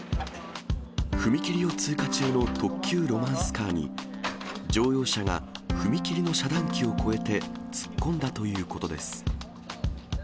踏切を通過中の特急・ロマンスカーに、乗用車が踏切の遮断機を越えて突っ込んだということです。